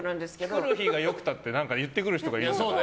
ヒコロヒーが良くたって言ってくる人がいるから。